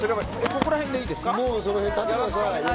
ここらへんでいいですか？